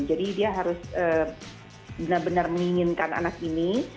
jadi dia harus benar benar menginginkan anak ini